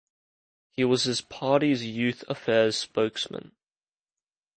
He was his party's youth affairs spokesman.